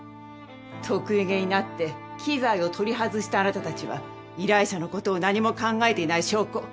得意げになって機材を取り外したあなたたちは依頼者のことを何も考えていない証拠。